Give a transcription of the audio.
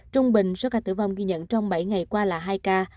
trung bình số ca tử vong ghi nhận trong bảy ngày qua là hai ca